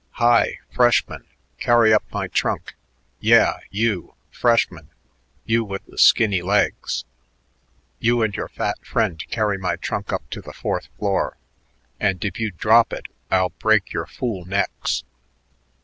"Hi, freshman, carry up my trunk. Yeah, you, freshman you with the skinny legs. You and your fat friend carry my trunk up to the fourth floor and if you drop it, I'll break your fool necks."...